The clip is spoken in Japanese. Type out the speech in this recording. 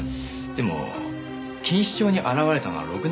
でも錦糸町に現れたのは６年前です。